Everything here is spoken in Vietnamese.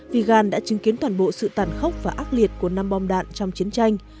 figan đã chứng kiến toàn bộ sự tàn khốc và ác liệt của năm bom đạn trong chiến tranh